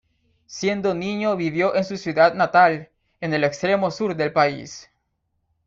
Siendo niño vivió en su ciudad natal, en el extremo sur del país.